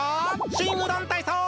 しんうどんたいそう！